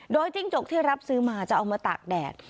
โดยจิ้งจกที่รับซื้อมาจะเอามาตากแดด